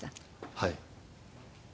はい。